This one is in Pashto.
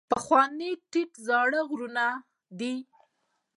پخواني ټیټ زاړه غرونه دي.